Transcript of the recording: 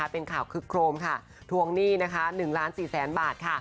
เป็นข่าวคลุกโครมทวงหนี้๑ล้าน๔๐๐๐๐๐บาท